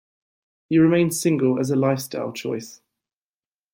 He remained single as a lifestyle choice.